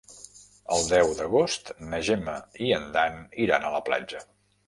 El deu d'agost na Gemma i en Dan iran a la platja.